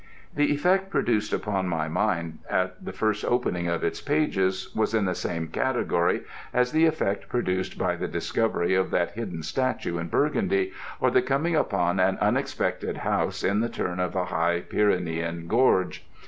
The effect produced upon my mind at the first opening of its pages was in the same category as the effect produced by the discovery of that hidden statue in Burgundy, or the coming upon an unexpected house in the turn of a high Pyrenean gorge.